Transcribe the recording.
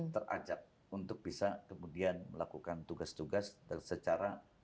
terajak untuk bisa kemudian melakukan tugas tugas secara